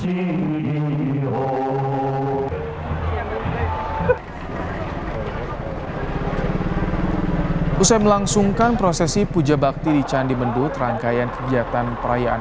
hai hai hai usai melangsungkan prosesi puja bakti di candi mendut rangkaian kegiatan perayaan